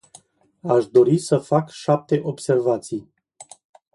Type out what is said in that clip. Aș dori să fac șapte observații.